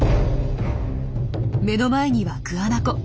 目の前にはグアナコ。